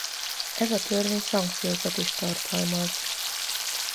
Ez a törvény szankciókat is tartalmaz.